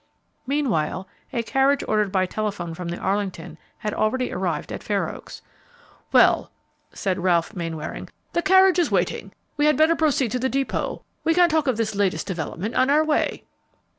Meanwhile, a carriage ordered by telephone from the Arlington had already arrived at Fair Oaks. "Well," said Ralph Mainwaring, "the carriage is waiting. We had better proceed to the depot; we can talk of this latest development on our way."